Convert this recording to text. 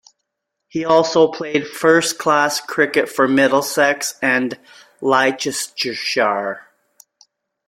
He also played first class cricket for Middlesex and Leicestershire.